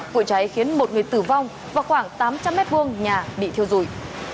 cuội cháy khiến một người tử vong và khoảng tám trăm linh mét vuông nhà bị thiêu rùi